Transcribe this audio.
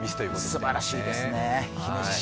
すばらしいですね、姫路市。